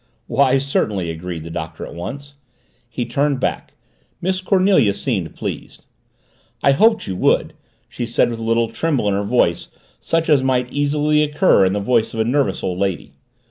"Why, certainly," agreed the Doctor at once. He turned back. Miss Cornelia seemed pleased. "I hoped you would," she said with a little tremble in her voice such as might easily occur in the voice of a nervous old lady.